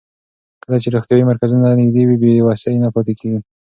کله چې روغتیايي مرکزونه نږدې وي، بې وسۍ نه پاتې کېږي.